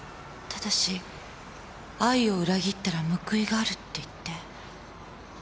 ただし愛を裏切ったら報いがあるって言って。